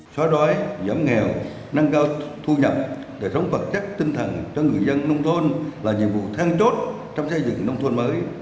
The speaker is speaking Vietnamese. xóa đói giảm nghèo nâng cao thu nhập đời sống vật chất tinh thần cho người dân nông thôn là nhiệm vụ thang chốt trong xây dựng nông thôn mới